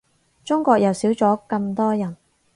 中國又少咗咁多人